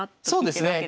そうですね。